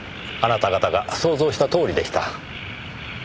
あなた方が想像したとおりでした。